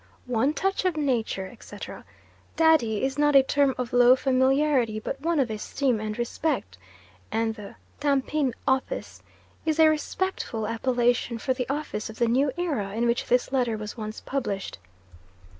"One touch of nature," etc. "Daddy" is not a term of low familiarity but one of esteem and respect, and the "Tampin Office" is a respectful appellation for the Office of the "New Era" in which this letter was once published.